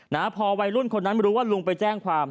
นะพอวัยรุ่นคนนั้นรู้ว่าลุงไปแจ้งความ